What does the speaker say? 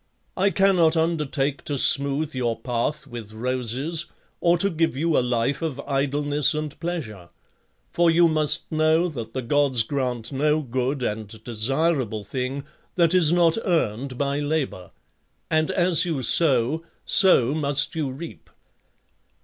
I cannot undertake to smooth your path with roses, or to give you a life of idleness and pleasure; for you must know that the gods grant no good and desirable thing that is not earned by labour; and as you sow, so must you reap."